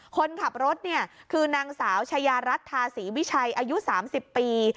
คนขับรถเนี่ยคือนางสาวชายารัฐทาศรีวิชัยอายุ๓๐ปี